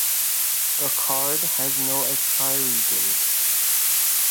The card has no expiry date.